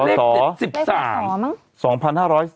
เลขพอศมั้ง